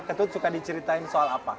ketut suka diceritain soal apa